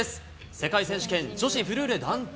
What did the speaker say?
世界選手権女子フルーレ団体。